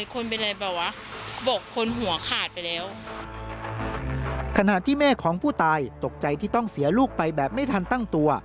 ขณะที่แม่ของผู้ตายตกใจที่ต้องเสียลูกไปแบบไม่ทันตั้งตัว